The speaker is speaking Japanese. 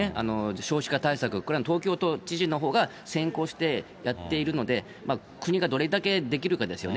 少子化対策、これは東京都知事のほうが先行してやっているので、国がどれだけできるかですよね。